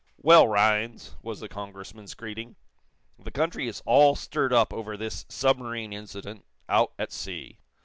"Well, Rhinds," was the Congressman's greeting, "the country is all stirred up over this submarine incident out at sea.